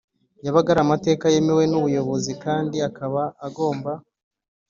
yabaga ari amateka yemewe n ubuyobozi kandi akaba agomba